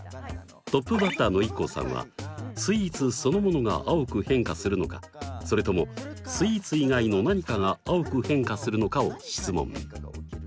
トップバッターのＩＫＫＯさんはスイーツそのものが青く変化するのかそれともスイーツ以外の何かが青く変化するのかを質問。